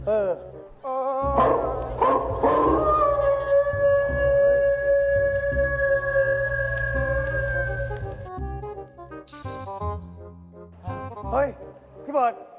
เออเควส